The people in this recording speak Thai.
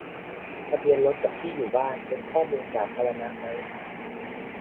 ทะเบียนรถ กับ ที่อยู่บ้าน เป็น "ข้อมูลสาธารณะ" ไหม ?